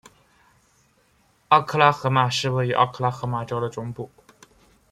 奥克拉荷马市位于奥克拉荷马州的中部。